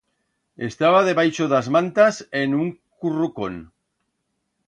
Estaba debaixo d'as mantas en un corrucón.